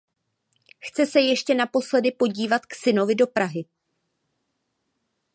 Chce se ještě naposledy podívat k synovi do Prahy.